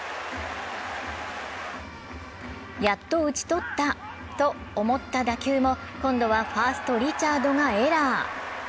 やっと打ち取ったと思った打球も、今度はファーストリチャードがエラー。